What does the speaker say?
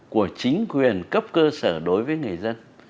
của chính quyền cấp cơ sở đối với người dân